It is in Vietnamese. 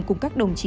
cùng các đồng chí